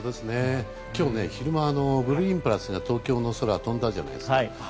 今日昼間ブルーインパルスが東京の空を飛んだじゃないですか。